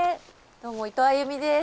どうも伊藤歩です。